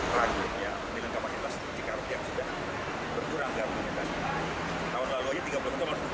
tahun lalu belum ada belum tergantung